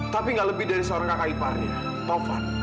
tapi gak lebih dari seorang kakak iparnya atau van